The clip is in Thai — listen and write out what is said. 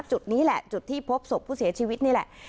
จุดนี้แหละจุดที่พบศพผู้เสียชีวิตนี่แหละ